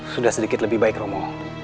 sudah sedikit lebih baik romo